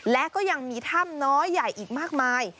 และก็ยังมีถ้ำน้อยใหญ่อีกมากมาย